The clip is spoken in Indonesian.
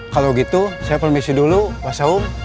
kalau gitu saya permisi dulu mas aum